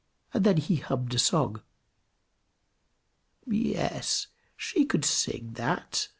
and then he hummed a song. "Yes, she could sing that!"